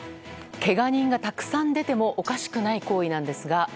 けが人がたくさん出てもおかしくない行為なんですが。